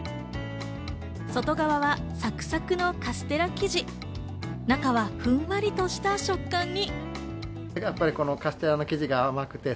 外側はサクサクのカステラ生地、中はふんわりとした食感に。